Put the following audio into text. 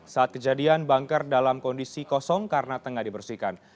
saat kejadian bunker dalam kondisi kosong karena tengah dibersihkan